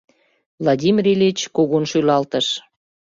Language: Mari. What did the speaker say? Владимир Ильич кугун шӱлалтыш: